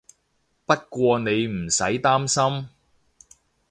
不過你唔使擔心